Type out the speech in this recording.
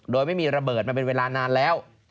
โดยไม่มีระเบิดมาเป็นเวลานานแล้ว